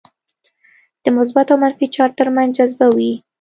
د مثبت او منفي چارج ترمنځ جذبه وي.